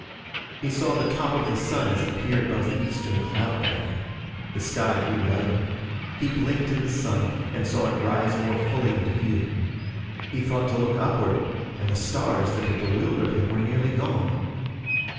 He saw the top of the sun as it peered above the eastern cloud bank. The sky grew lighter. He blinked at the sun and saw it rise more fully into view. He thought to look upward, and the stars that had bewildered him were nearly gone.